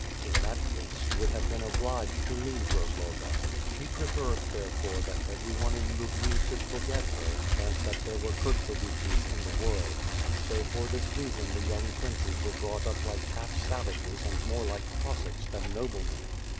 In that case she would have been obliged to leave Rozloga. She preferred therefore that everyone in Lubni should forget her, and that there were Kurtsevichis in the world; so for this reason the young princes were brought up like half savages and more like Cos sacks than noblemen.